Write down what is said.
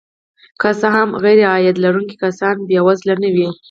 که څه هم غیرعاید لرونکي کسان بې وزله نه وي